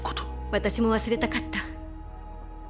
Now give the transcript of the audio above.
私も忘れたかった。